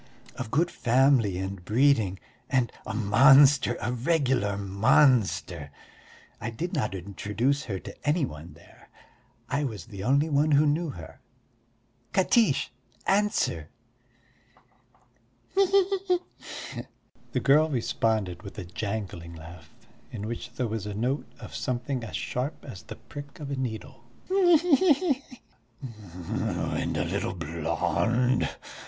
Of good family and breeding and a monster, a regular monster! I did not introduce her to any one there, I was the only one who knew her.... Katiche, answer!" "He he he!" the girl responded with a jangling laugh, in which there was a note of something as sharp as the prick of a needle. "He he he!" "And a little blonde?"